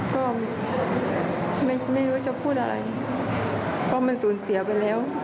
ก็ไม่รู้จะพูดอะไรเพราะมันสูญเสียไปแล้ว